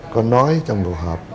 có nói trong đồ họp